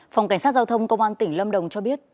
phòng cảnh sát giao thông công an tỉnh lâm đồng cho biết